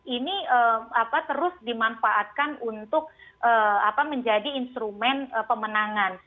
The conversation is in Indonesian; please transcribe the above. ini terus dimanfaatkan untuk menjadi instrumen pemenangan